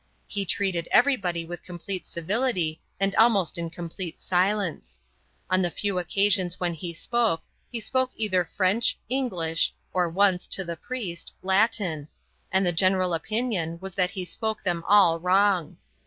He treated everybody with complete civility and almost in complete silence. On the few occasions when he spoke, he spoke either French, English, or once (to the priest) Latin; and the general opinion was that he spoke them all wrong.